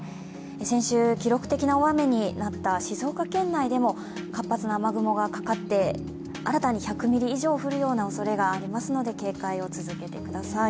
先週記録的な大雨になった静岡県内でも活発な雨雲がかかって、新たに１００ミリ以上降るようなおそれがありますので警戒を続けてください。